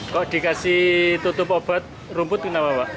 kok dikasih tutup obat rumput kenapa pak